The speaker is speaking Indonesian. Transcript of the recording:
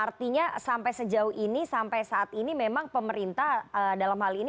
artinya sampai sejauh ini sampai saat ini memang pemerintah dalam hal ini